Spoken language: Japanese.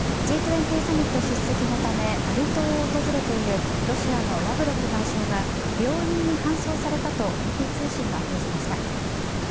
Ｇ２０サミット出席のためバリ島を訪れているロシアのラブロフ外相が病院に搬送されたとＡＰ通信が報じました